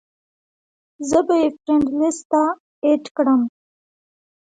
زۀ به ئې فرېنډ لسټ ته اېډ کړم -